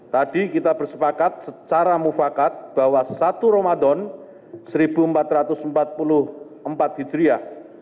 tadi kita bersepakat secara mufakat bahwa satu ramadan seribu empat ratus empat puluh empat hijriah